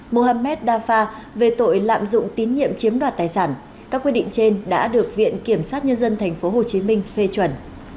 mohamed dafa về tội lạm dụng tín nhiệm chiếm đoạt tài sản các quyết định trên đã được viện kiểm sát nhân dân tp hcm phê chuẩn